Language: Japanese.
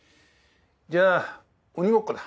じゃあ鬼ごっこだ。